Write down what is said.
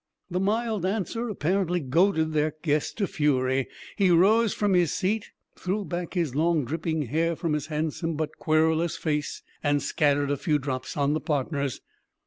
The mild answer apparently goaded their guest to fury. He rose from his seat, threw back his long dripping hair from his handsome but querulous face, and scattered a few drops on the partners.